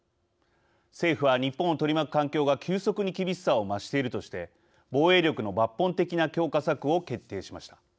政府は日本を取り巻く環境が急速に厳しさを増しているとして防衛力の抜本的な強化策を決定しました。